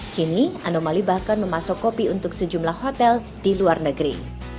kini anomali bahkan memasuk kopi untuk sejumlah hotel di luar negeri